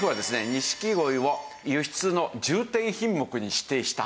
錦鯉を輸出の重点品目に指定した。